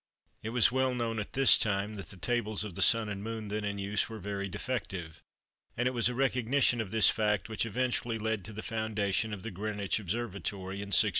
It was well known at this time that the tables of the Sun and Moon then in use were very defective, and it was a recognition of this fact which eventually led to the foundation of the Greenwich Observatory in 1675.